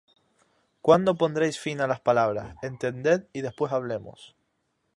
¿Cuándo pondréis fin á las palabras? Entended, y después hablemos.